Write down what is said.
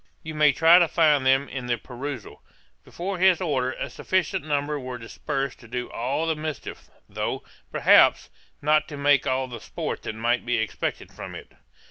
You may try to find them in the perusal. Before his order, a sufficient number were dispersed to do all the mischief, though, perhaps, not to make all the sport that might be expected from it.